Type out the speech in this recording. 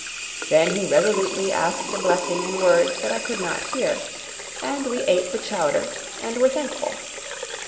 Then he resolutely asked a blessing in words that I could not hear, and we ate the chowder and were thankful.